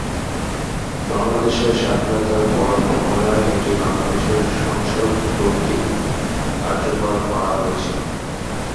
বাংলাদেশের স্বাধীনতার পর পুনরায় এটি বাংলাদেশের সংসদ কর্তৃক কার্যকর করা হয়েছিল।